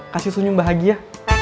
kasih sunyum bahagia